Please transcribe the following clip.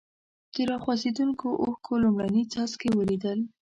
د را خوځېدونکو اوښکو لومړني څاڅکي ولیدل.